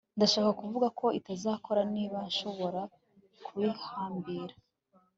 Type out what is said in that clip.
Ndashaka kuvuga ko itazakora niba nshobora kubihambira